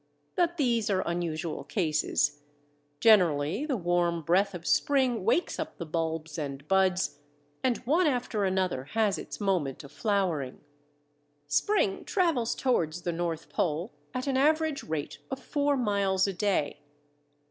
But these are unusual cases. Generally the warm breath of spring wakes up the bulbs and buds, and one after another has its moment of flowering. Spring travels towards the North Pole at an average rate of four miles a day.